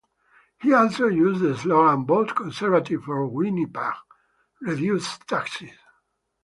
He also used the slogan, "Vote Conservative for Winnipeg - reduce taxes".